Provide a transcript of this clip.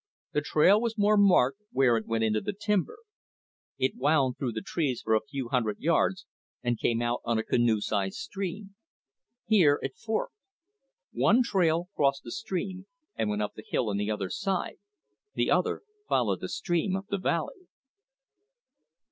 The trail was more marked where it went into the timber. It wound through the trees for a few hundred yards and came out on a canoe sized stream. Here it forked. One trail crossed the stream and went up the hill on the other side, the other followed the stream up the valley.